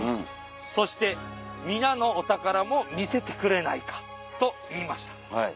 そして「皆のお宝も見せてくれないか？」と言いました。